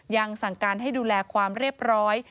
ยังสั่งการให้ดูแลความเรียบร้อย